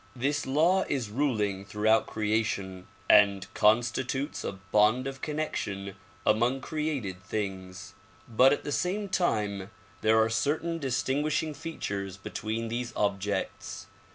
This law is ruling through out creation and constitutes a bond of connection among created things. But at the same time there are certain distinguishing features between these objects.